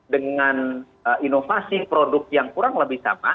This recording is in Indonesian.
dengan inovasi produk yang kurang lebih sama